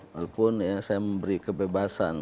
walaupun saya memberi kebebasan